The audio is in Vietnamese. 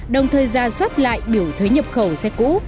đồng thời ra soát lại biểu thuế nhập khẩu xe cũ